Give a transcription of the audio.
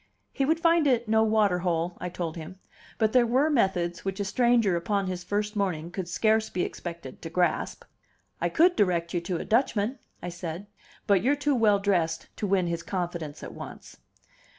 He would find it no water hole, I told him; but there were methods which a stranger upon his first morning could scarce be expected to grasp. "I could direct you to a Dutchman," I said, "but you're too well dressed to win his confidence at once."